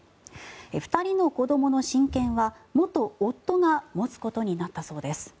２人の子どもの親権は元夫が持つことになったそうです。